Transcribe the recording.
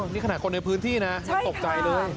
นี่ขนาดคนในพื้นที่นะยังตกใจเลย